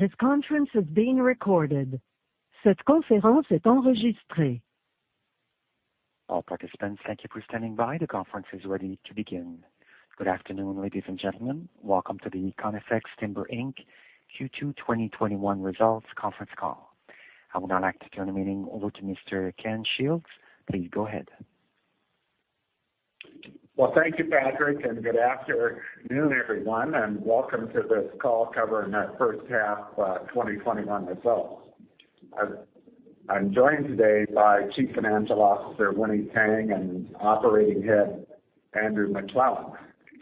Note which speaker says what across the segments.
Speaker 1: All participants, thank you for standing by. The conference is ready to begin. Good afternoon, ladies and gentlemen. Welcome to the Conifex Timber Inc Q2 2021 Results Conference Call. I would now like to turn the meeting over to Mr. Ken Shields. Please go ahead.
Speaker 2: Well, thank you, Patrick, good afternoon, everyone, and welcome to this call covering our first half 2021 results. I'm joined today by Chief Financial Officer, Winny Tang and Operating Head, Andrew McLellan.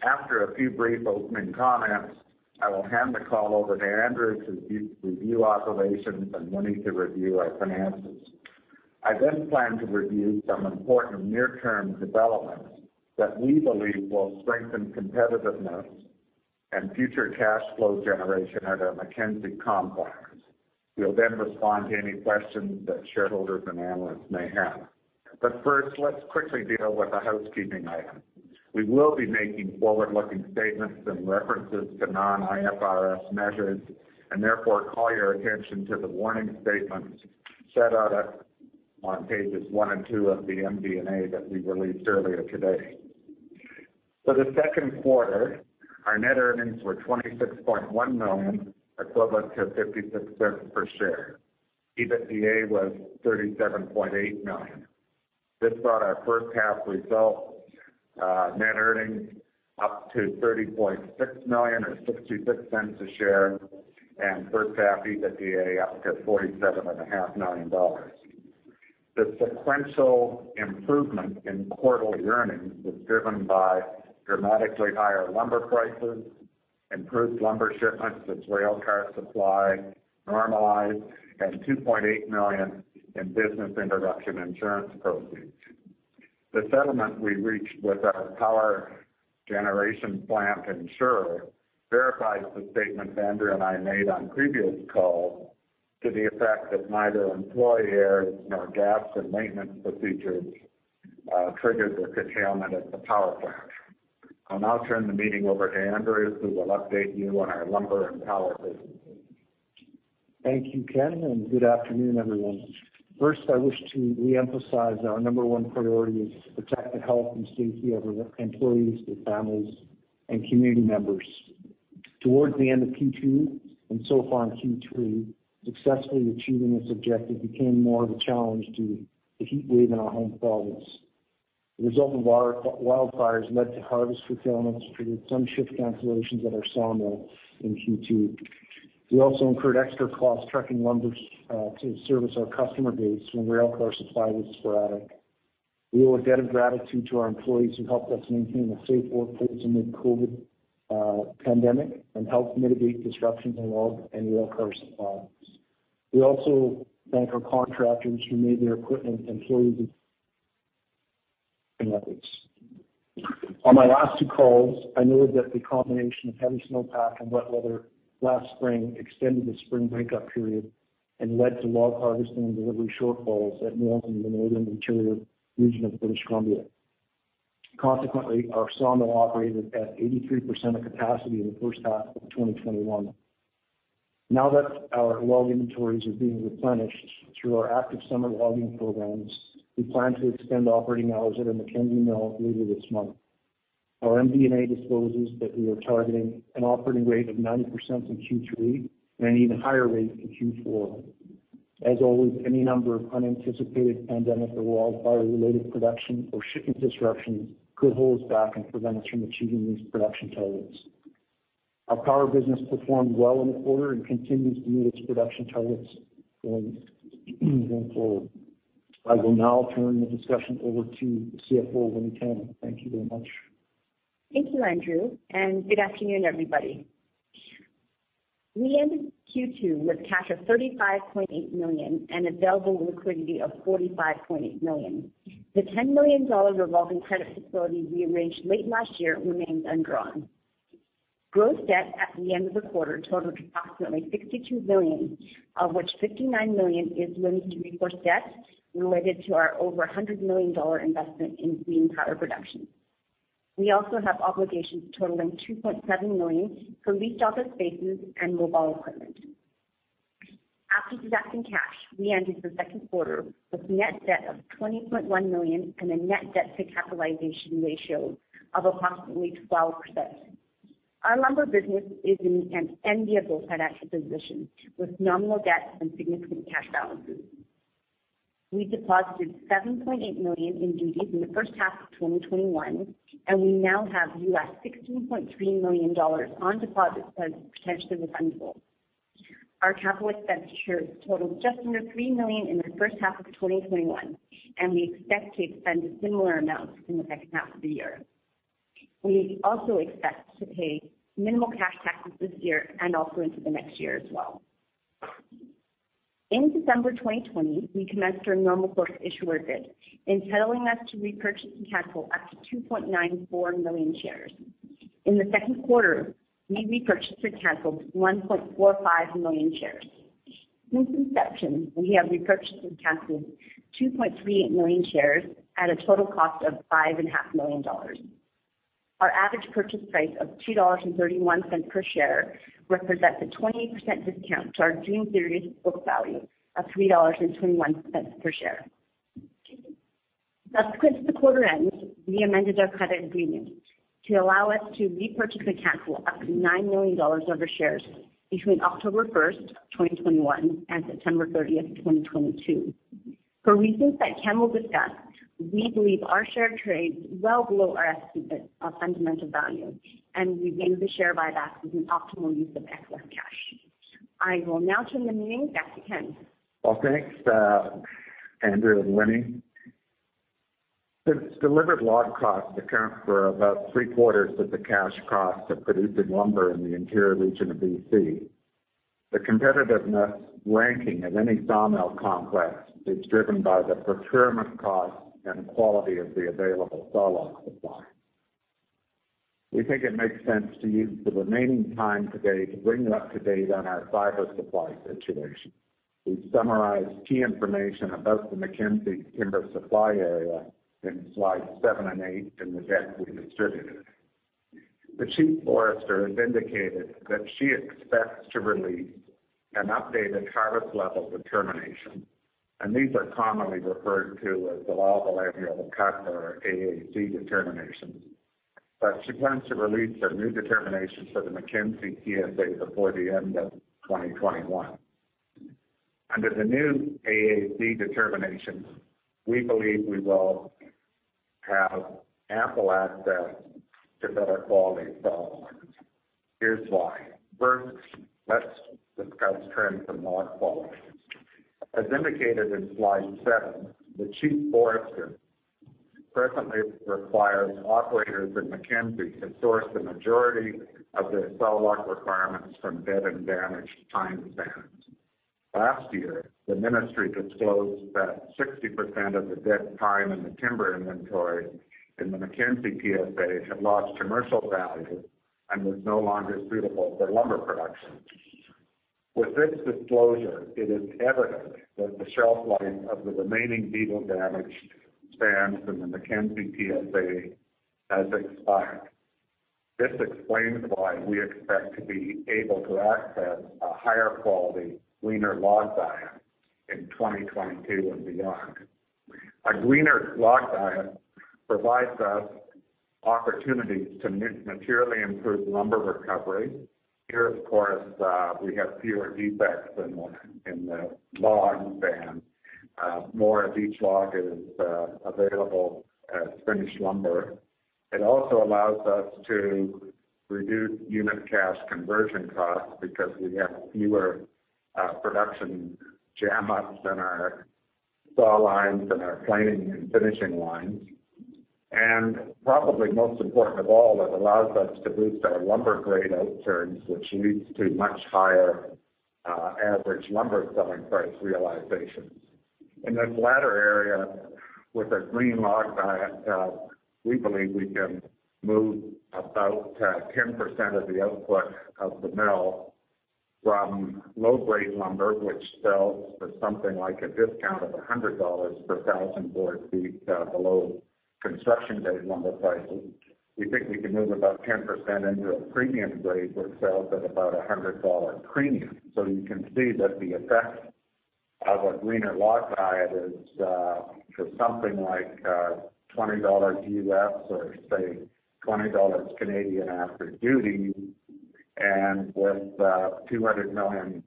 Speaker 2: After a few brief opening comments, I will hand the call over to Andrew to review operations and Winny to review our finances. I plan to review some important near-term developments that we believe will strengthen competitiveness and future cash flow generation at our Mackenzie complex. We'll respond to any questions that shareholders and analysts may have. First, let's quickly deal with a housekeeping item. We will be making forward-looking statements and references to non-IFRS measures, therefore call your attention to the warning statement set out on pages one and two of the MD&A that we released earlier today. For the second quarter, our net earnings were 26.1 million, equivalent to 0.56 per share. EBITDA was 37.8 million. This brought our first half results, net earnings up to 30.6 million or 0.66 a share, and first half EBITDA up to 47.5 million dollars. The sequential improvement in quarterly earnings was driven by dramatically higher lumber prices, improved lumber shipments as railcar supply normalized, and 2.8 million in business interruption insurance proceeds. The settlement we reached with our power generation plant insurer verifies the statement Andrew and I made on previous calls to the effect that neither employee errors nor gaps in maintenance procedures triggered the curtailment of the power plant. I'll now turn the meeting over to Andrew, who will update you on our lumber and power businesses.
Speaker 3: Thank you, Ken. Good afternoon, everyone. First, I wish to reemphasize our number 1 priority is to protect the health and safety of our employees, their families, and community members. Towards the end of Q2, and so far in Q3, successfully achieving this objective became more of a challenge due to the heat wave in our home province. The result of wildfires led to harvest curtailments, which led to some shift cancellations at our sawmill in Q2. We also incurred extra costs trucking lumber to service our customer base when railcar supply was sporadic. We owe a debt of gratitude to our employees who helped us maintain a safe workplace amid COVID pandemic and helped mitigate disruptions in log and railcar supplies. We also thank our contractors who made their equipment and employees On my last two calls, I noted that the combination of heavy snowpack and wet weather last spring extended the spring breakup period and led to log harvesting and delivery shortfalls at mills in the Northern Interior region of British Columbia. Consequently, our sawmill operated at 83% of capacity in the first half of 2021. Now that our log inventories are being replenished through our active summer logging programs, we plan to extend operating hours at our Mackenzie Mill later this month. Our MD&A discloses that we are targeting an operating rate of 90% in Q3 and an even higher rate in Q4. As always, any number of unanticipated pandemic or wildfire-related production or shipping disruptions could hold us back and prevent us from achieving these production targets. Our power business performed well in the quarter and continues to meet its production targets going forward. I will now turn the discussion over to CFO Winny Tang. Thank you very much.
Speaker 4: Thank you, Andrew, and good afternoon, everybody. We ended Q2 with cash of 35.8 million and available liquidity of 45.8 million. The 10 million dollar revolving credit facility we arranged late last year remains undrawn. Gross debt at the end of the quarter totaled approximately 62 million, of which 59 million is limited recourse debt related to our over 100 million dollar investment in green power production. We also have obligations totaling 2.7 million for leased office spaces and mobile equipment. After deducting cash, we ended the second quarter with net debt of 20.1 million and a net debt to capitalization ratio of approximately 12%. Our lumber business is in an enviable financial position, with nominal debt and significant cash balances. We deposited 7.8 million in duties in the first half of 2021, and we now have US $16.3 million on deposit that is potentially refundable. Our capital expenditures totaled just under 3 million in the first half of 2021, and we expect to expend similar amounts in the second half of the year. We also expect to pay minimal cash taxes this year and also into the next year as well. In December 2020, we commenced our normal course issuer bid, entitling us to repurchase and cancel up to 2.94 million shares. In the second quarter, we repurchased and canceled 1.45 million shares. Since inception, we have repurchased and canceled 2.38 million shares at a total cost of 5.5 million dollars. Our average purchase price of 2.31 dollars per share represents a 20% discount to our June 30 book value of 3.21 dollars per share. Subsequent to the quarter end, we amended our credit agreement to allow us to repurchase and cancel up to 9 million dollars of our shares between October 1st, 2021, and September 30th, 2022. For reasons that Ken will discuss, we believe our share trades well below our estimate of fundamental value, and we believe the share buyback is an optimal use of excess cash. I will now turn the meeting back to Ken.
Speaker 2: Well, thanks, Andrew and Winny. Delivered log costs account for about three quarters of the cash cost of producing lumber in the interior region of BC, the competitiveness ranking of any sawmill complex is driven by the procurement cost and quality of the available sawlog supply. We think it makes sense to use the remaining time today to bring you up to date on our fiber supply situation. We've summarized key information about the Mackenzie timber supply area in slides seven and eight in the deck we distributed. The Chief Forester has indicated that she expects to release an updated harvest level determination, these are commonly referred to as Allowable Annual Cut or AAC Determinations. She plans to release a new determination for the Mackenzie TSA before the end of 2021. Under the new AAC Determinations, we believe we will have ample access to better quality sawlogs. Here's why. First, let's discuss trends in log quality. As indicated in slide seven, the Chief Forester presently requires operators in Mackenzie to source the majority of their sawlog requirements from dead and damaged pine stands. Last year, the Ministry disclosed that 60% of the dead pine in the timber inventory in the Mackenzie TSA had lost commercial value and was no longer suitable for lumber production. With this disclosure, it is evident that the shelf life of the remaining beetle-damaged stands in the Mackenzie TSA has expired. This explains why we expect to be able to access a higher quality, "greener" log diet in 2022 and beyond. A "greener" log diet provides us opportunities to materially improve lumber recovery. Here, of course, we have fewer defects in the log than more of each log is available as finished lumber. It also allows us to reduce unit cash conversion costs because we have fewer production jam-ups in our saw lines and our planing and finishing lines. Probably most important of all, it allows us to boost our lumber grade outturns, which leads to much higher average lumber selling price realizations. In this latter area, with a green log diet, we believe we can move about 10% of the output of the mill from low-grade lumber, which sells for something like a discount of 100 dollars per thousand board feet below construction-grade lumber prices. We think we can move about 10% into a premium grade that sells at about 100 dollar premium. You can see that the effect of a "greener" log diet is for something like $20 or say 20 dollars after duty, and with 200 million+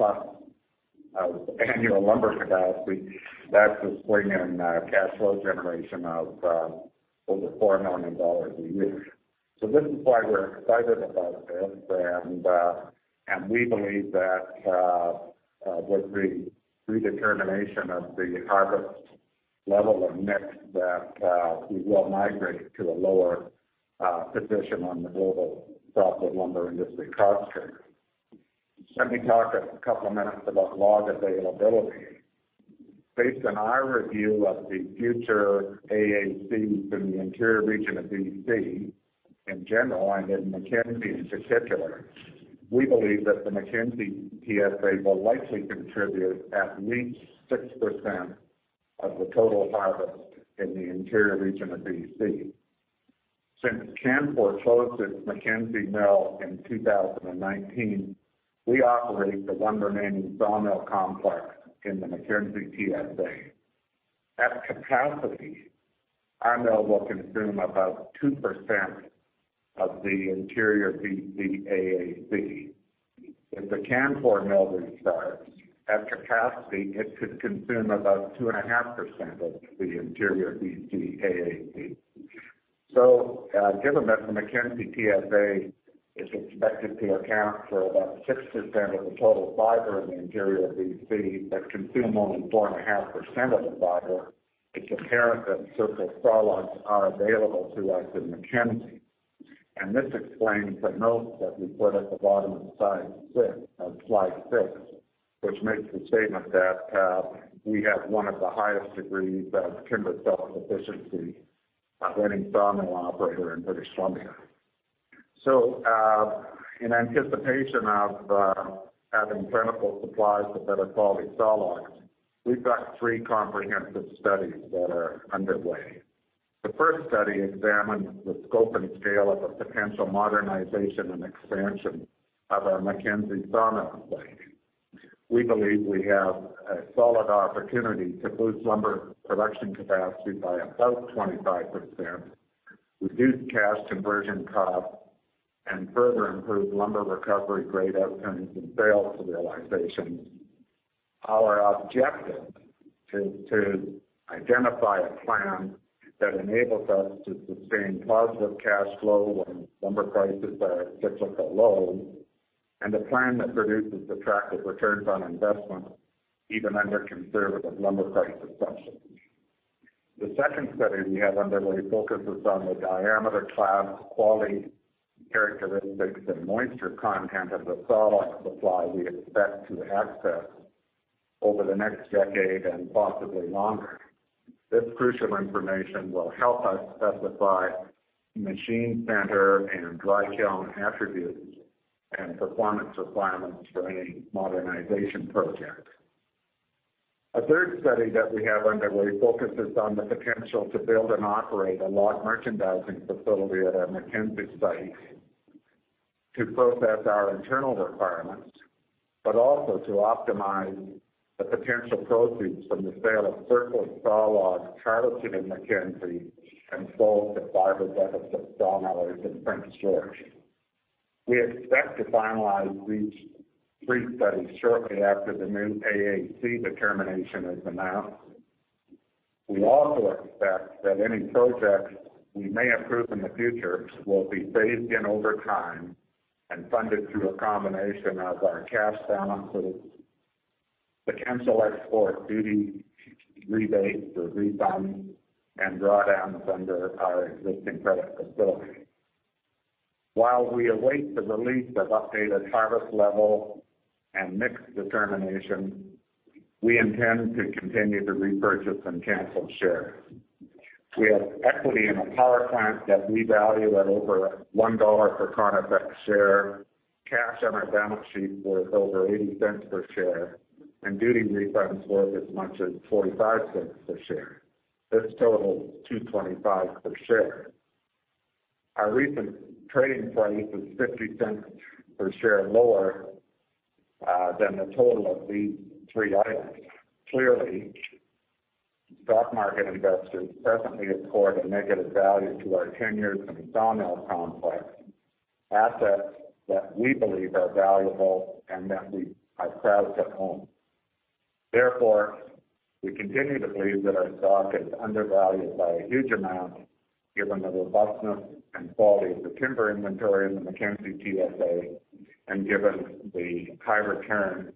Speaker 2: of annual lumber capacity, that's a swing in cash flow generation of over 4 million dollars a year. This is why we're excited about this, and we believe that with the redetermination of the harvest level of Mackenzie that we will migrate to a lower position on the global softwood lumber industry cost curve. Let me talk two minutes about log availability. Based on our review of the future AACs in the interior region of BC in general and in Mackenzie in particular, we believe that the Mackenzie TSA will likely contribute at least 6% of the total harvest in the interior region of BC. Since Canfor closed its Mackenzie mill in 2019, we operate the one remaining sawmill complex in the Mackenzie TSA. At capacity, our mill will consume about 2% of the interior BC AAC. If the Canfor mill restarts, at capacity, it could consume about 2.5% of the interior BC AAC. Given that the Mackenzie TSA is expected to account for about 6% of the total fiber in the interior BC that consume only 4.5% of the fiber, it's apparent that surplus sawlogs are available to us in Mackenzie. This explains the note that we put at the bottom of slide six, which makes the statement that we have one of the highest degrees of timber self-sufficiency of any sawmill operator in British Columbia. In anticipation of having plentiful supplies of better quality sawlogs, we've got three comprehensive studies that are underway. The first study examines the scope and scale of a potential modernization and expansion of our Mackenzie sawmill site. We believe we have a solid opportunity to boost lumber production capacity by about 25%, reduce cash conversion costs, and further improve lumber recovery grade outcomes and sales realizations. Our objective is to identify a plan that enables us to sustain positive cash flow when lumber prices are cyclical low, and a plan that produces attractive returns on investment even under conservative lumber price assumptions. The second study we have underway focuses on the diameter class, quality characteristics, and moisture content of the sawlog supply we expect to access over the next decade and possibly longer. This crucial information will help us specify machine center and dry kiln attributes and performance requirements for any modernization project. A third study that we have underway focuses on the potential to build and operate a log merchandising facility at our Mackenzie site to process our internal requirements, but also to optimize the potential proceeds from the sale of surplus sawlogs harvested in Mackenzie and sold to fiber-deficit sawmills in Prince George. We expect to finalize these three studies shortly after the new AAC Determination is announced. We also expect that any projects we may approve in the future will be phased in over time and funded through a combination of our cash balances, potential export duty rebates or refunds, and drawdowns under our existing credit facility. While we await the release of updated harvest level and mix determination, we intend to continue to repurchase and cancel shares. We have equity in a power plant that we value at over 1 dollar per Conifex share, cash on our balance sheet worth over 0.80 per share, and duty refunds worth as much as 0.45 per share. This totals 2.25 per share. Our recent trading price is 0.50 per share lower than the total of these three items. Clearly, stock market investors presently accord a negative value to our tenures and sawmill complex assets that we believe are valuable and that we have proud to own. Therefore, we continue to believe that our stock is undervalued by a huge amount, given the robustness and quality of the timber inventory in the Mackenzie TSA and given the high return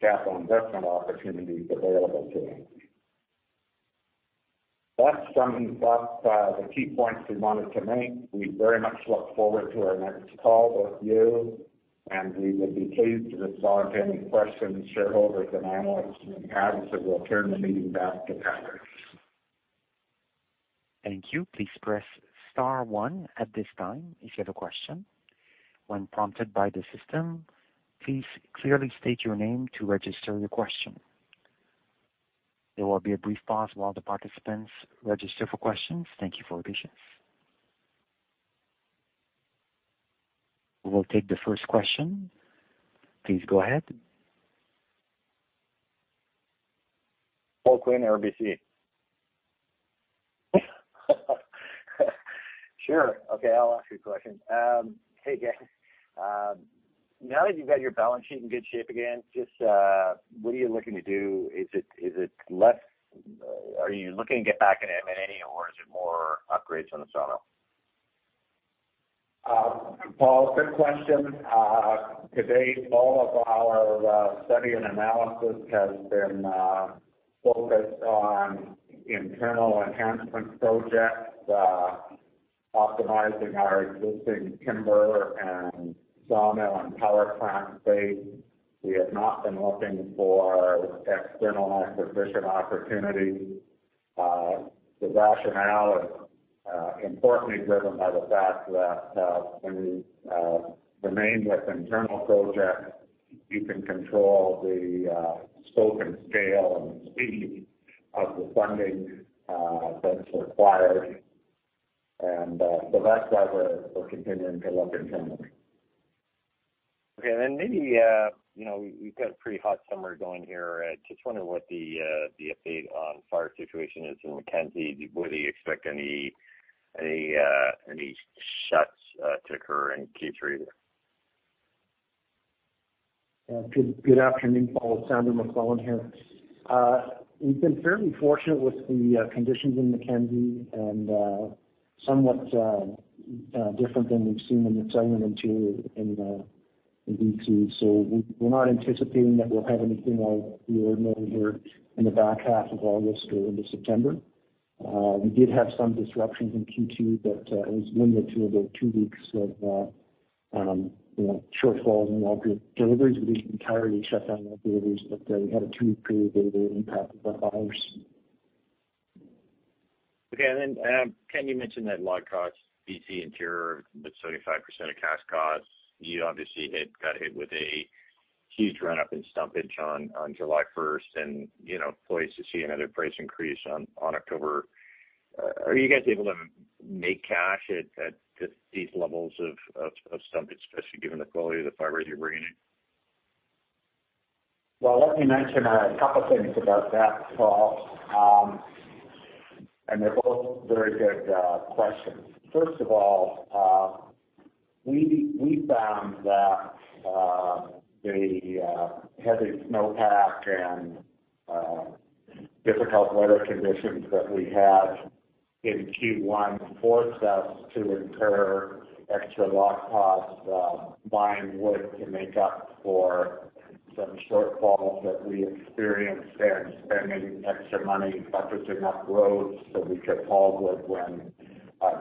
Speaker 2: capital investment opportunities available to us. That sums up the key points we wanted to make. We very much look forward to our next call with you, and we would be pleased to respond to any questions shareholders and analysts may have. We'll turn the meeting back to Patrick.
Speaker 1: Thank you. Please press star one at this time if you have a question. When prompted by the system, please clearly state your name to register your question. There will be a brief pause while the participants register for questions. Thank you for your patience. We'll take the first question. Please go ahead.
Speaker 5: Paul Quinn, RBC. Sure. Okay, I'll ask you a question. Hey, gang. Now that you've got your balance sheet in good shape again, what are you looking to do? Are you looking to get back in M&A, or is it more upgrades on the sawmill?
Speaker 2: Paul, good question. To date, all of our study and analysis has been focused on internal enhancement projects, optimizing our existing timber and sawmill and power plant base. We have not been looking for external acquisition opportunities. The rationale is importantly driven by the fact that when you remain with internal projects, you can control the scope and scale and speed of the funding that's required. That's why we're continuing to look internally.
Speaker 5: Maybe, we've got a pretty hot summer going here. I just wonder what the update on fire situation is in Mackenzie. Do you expect any shuts to occur in Q3 there?
Speaker 3: Good afternoon, Paul. It's Andrew McLellan here. We've been fairly fortunate with the conditions in Mackenzie and somewhat different than we've seen in the. We're not anticipating that we'll have anything out of the ordinary here in the back half of August or into September. We did have some disruptions in Q2, it was limited to about two weeks of shortfalls in log deliveries. We didn't entirely shut down log deliveries, we had a two-week period where they impacted our volumes.
Speaker 5: Okay. Ken, you mentioned that log costs, BC interior with 75% of cash costs, you obviously got hit with a huge run-up in stumpage on July 1st, poised to see another price increase on October. Are you guys able to make cash at these levels of stumpage, especially given the quality of the fibers you're bringing in?
Speaker 2: Well, let me mention a couple things about that, Paul, and they're both very good questions. First of all, we found that the heavy snowpack and difficult weather conditions that we had in Q1 forced us to incur extra log costs, buying wood to make up for some shortfalls that we experienced and spending extra money buffeting up roads so we could haul wood when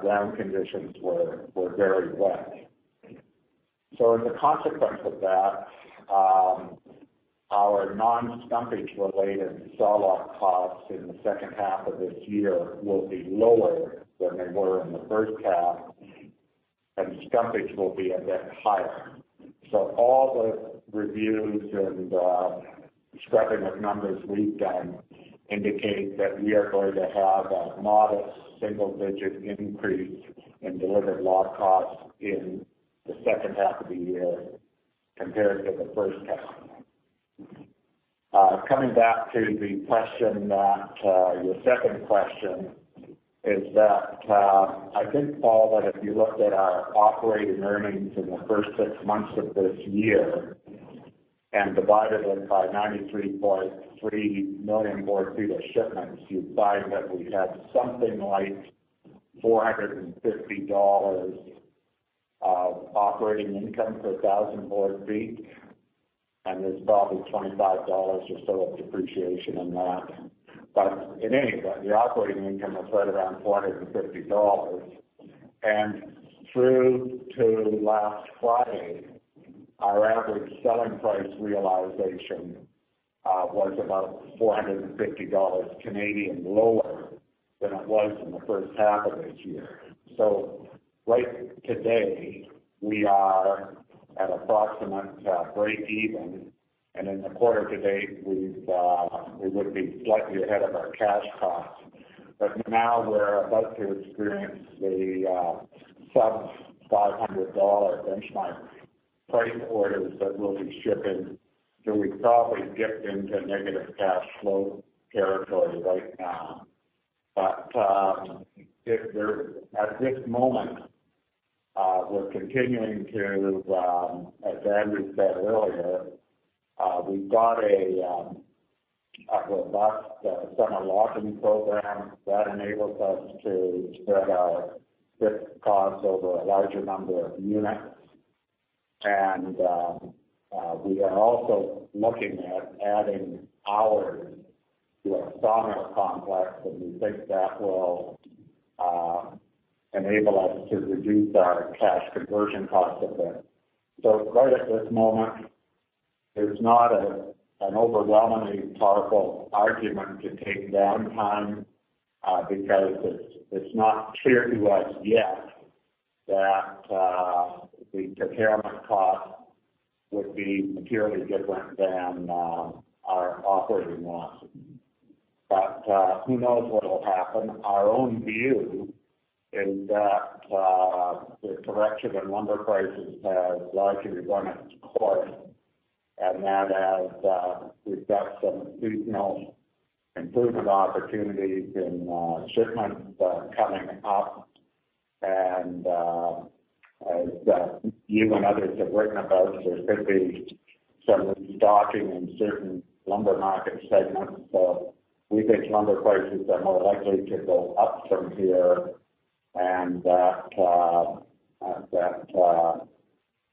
Speaker 2: ground conditions were very wet. As a consequence of that, our non-stumpage related sawlog costs in the second half of this year will be lower than they were in the first half, and the stumpage will be a bit higher. All the reviews and the scrubbing of numbers we've done indicate that we are going to have a modest single-digit increase in delivered log costs in the second half of the year compared to the first half. Coming back to your second question is that, I think, Paul, that if you looked at our operating earnings in the first six months of this year and divided it by 93.3 million board feet of shipments, you'd find that we had something like 450 dollars of operating income per thousand board feet, and there's probably 25 dollars or so of depreciation in that. In any event, the operating income was right around CAD 450. Through to last Friday, our average selling price realization was about 450 dollars lower than it was in the first half of this year. Right today, we are at approximate break even, and in the quarter to date, we would be slightly ahead of our cash costs. Now we're about to experience the sub-CAD 500 benchmark price orders that we'll be shipping, so we probably dip into negative cash flow territory right now. At this moment, we're continuing to, as Andrew said earlier, we've got a robust summer logging program that enables us to spread our fixed costs over a larger number of units. We are also looking at adding hours to our sawmill complex, and we think that will enable us to reduce our cash conversion costs a bit. Right at this moment, there's not an overwhelmingly powerful argument to take downtime because it's not clear to us yet that the impairment cost would be materially different than our operating costs. Who knows what will happen. Our own view is that the correction in lumber prices has largely run its course, and that as we've got some seasonal improvement opportunities in shipments coming up, and as you and others have written about, there could be some restocking in certain lumber market segments. We think lumber prices are more likely to go up from here and that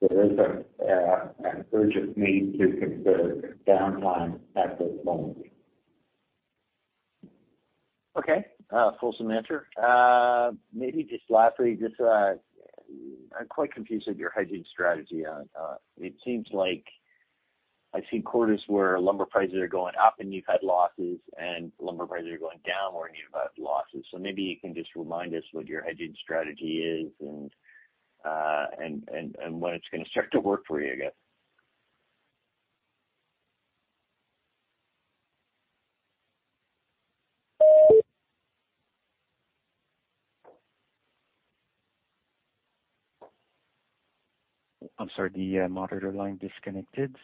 Speaker 2: there isn't an urgent need to consider downtime at this moment.
Speaker 5: Okay. Full, some answer. Maybe just lastly, I'm quite confused with your hedging strategy. It seems like I've seen quarters where lumber prices are going up and you've had losses, and lumber prices are going down where you've had losses. Maybe you can just remind us what your hedging strategy is and when it's going to start to work for you again.
Speaker 1: I'm sorry, the monitor line disconnected.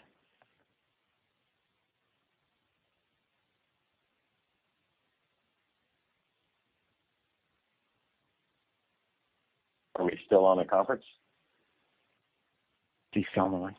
Speaker 5: Are we still on the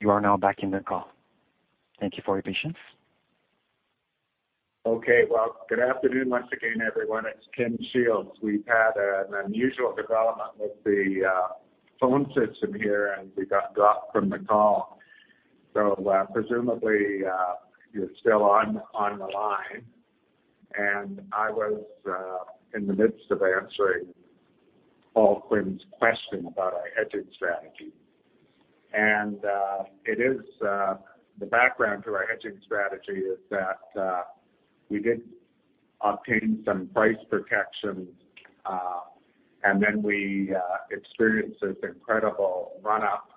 Speaker 5: conference?
Speaker 1: Please stay on the line. You are now back in the call. Thank you for your patience.
Speaker 2: Well, good afternoon once again, everyone. It's Ken Shields. We've had an unusual development with the phone system here. We got dropped from the call. Presumably, you're still on the line. I was in the midst of answering Paul Quinn's question about our hedging strategy. The background to our hedging strategy is that we did obtain some price protection, and then we experienced this incredible run-up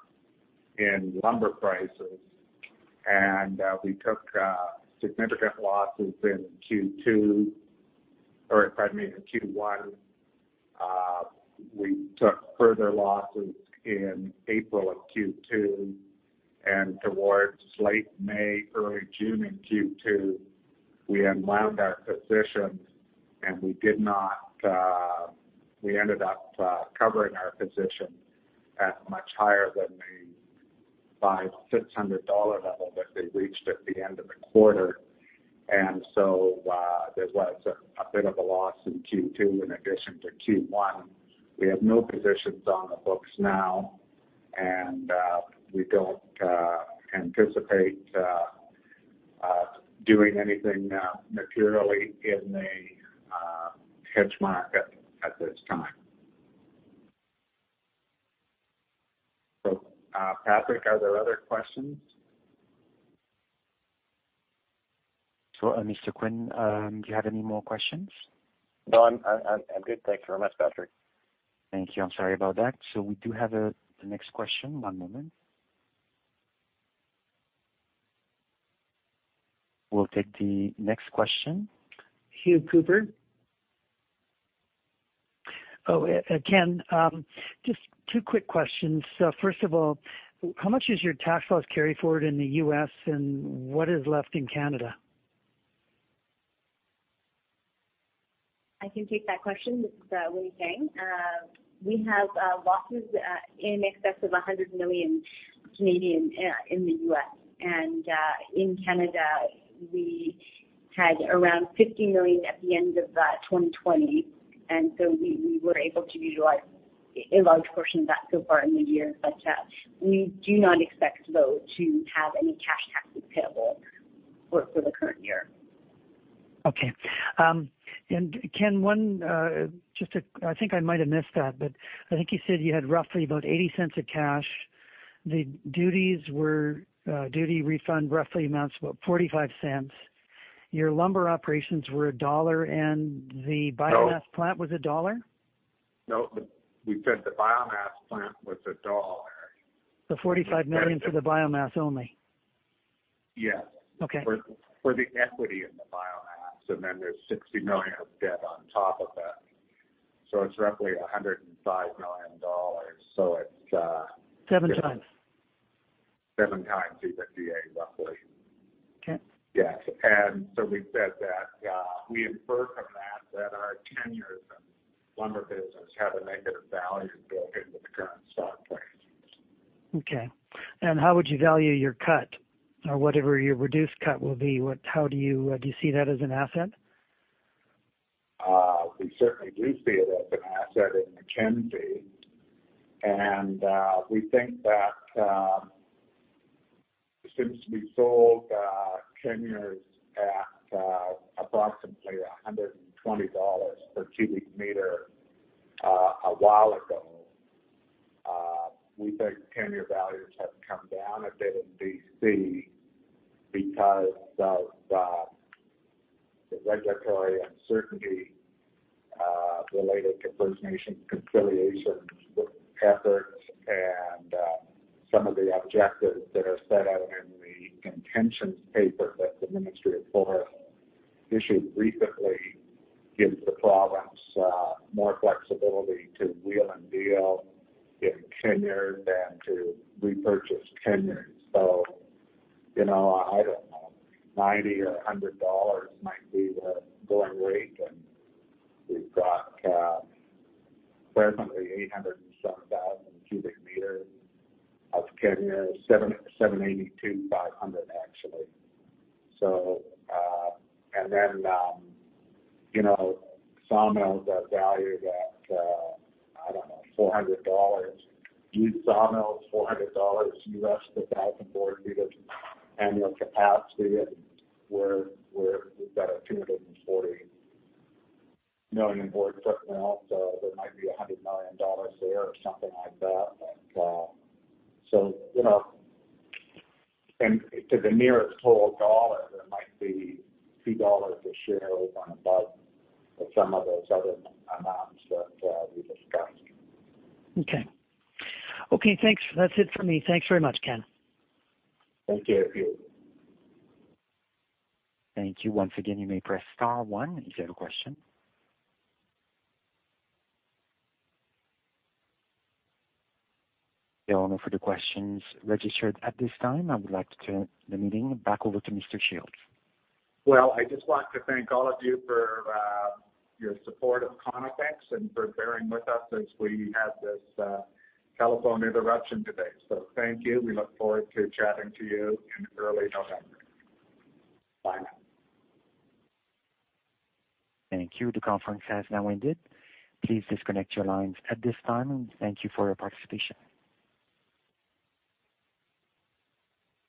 Speaker 2: in lumber prices. We took significant losses in Q1. We took further losses in April of Q2, and towards late May, early June in Q2, we unwound our positions, and we ended up covering our position at much higher than the 500, 600 dollar level that they reached at the end of the quarter. There was a bit of a loss in Q2 in addition to Q1. We have no positions on the books now, and we don't anticipate doing anything materially in the hedge market at this time. Patrick, are there other questions?
Speaker 1: Mr. Quinn, do you have any more questions?
Speaker 5: No, I'm good. Thanks very much, Patrick.
Speaker 1: Thank you. I'm sorry about that. We do have the next question. One moment. We'll take the next question.
Speaker 6: Hugh Cooper. Oh, Ken, just two quick questions. First of all, how much is your tax loss carry-forward in the U.S., and what is left in Canada?
Speaker 4: I can take that question. This is Winny Tang. We have losses in excess of 100 million in the U.S., and in Canada, we had around 50 million at the end of 2020, and so we were able to utilize a large portion of that so far in the year. We do not expect, though, to have any cash taxes payable for the current year.
Speaker 6: Okay. Ken, I think I might have missed that, but I think you said you had roughly about 0.80 of cash. The duty refund roughly amounts to about 0.45. Your lumber operations were CAD 1, and the biomass plant was CAD 1?
Speaker 2: No. We said the biomass plant was CAD 1.
Speaker 6: The 45 million for the biomass only?
Speaker 2: Yes.
Speaker 6: Okay.
Speaker 2: For the equity in the biomass, and then there's 60 million of debt on top of that. It's roughly 105 million dollars.
Speaker 6: 7x.
Speaker 2: 7x EBITDA, roughly.
Speaker 6: Okay.
Speaker 2: Yes. We said that we infer from that our tenure in lumber business has a negative value built into the current stock price.
Speaker 6: Okay. How would you value your cut or whatever your reduced cut will be? Do you see that as an asset?
Speaker 2: We certainly do see it as an asset in Mackenzie. We think that since we sold tenures at approximately 120 dollars per cubic meter a while ago, we think tenure values have come down a bit in BC because of the regulatory uncertainty related to First Nations reconciliation efforts and some of the objectives that are set out in the intentions paper that the Ministry of Forests issued recently gives the province more flexibility to wheel and deal in tenure than to repurchase tenure. I don't know, CAD 90 or CAD 100 might be the going rate, and we've got presently 807,000 cubic meters of tenure, 782,500, actually. Sawmills are valued at, I don't know, $400. Each sawmill is $400 per 1,000 board feet of annual capacity, and we've got [240 million board equipment. There might be $100 million there or something like that. To the nearest whole dollar, there might be CAD 2 a share over and above some of those other amounts that we discussed.
Speaker 6: Okay. Okay, thanks. That's it for me. Thanks very much, Ken.
Speaker 2: Thank you, Hugh.
Speaker 1: Thank you. Once again, you may press star one if you have a question. There are no further questions registered at this time. I would like to turn the meeting back over to Mr. Shields.
Speaker 2: Well, I just want to thank all of you for your support of Conifex and for bearing with us as we had this telephone interruption today. Thank you. We look forward to chatting to you in early November. Bye now.
Speaker 1: Thank you. The conference has now ended. Please disconnect your lines at this time, and thank you for your participation.